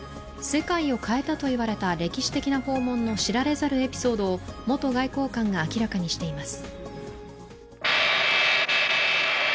世界を変えたと言われた歴史的な訪問の知られざるエピソードを元外交官が明らかにしています。